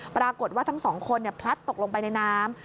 ปรากฏว่าทั้งสองคนพลัดตกลงไปในน้ำ